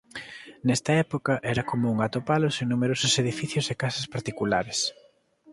Nesta época era común atopalos en numerosos edificios e casas particulares.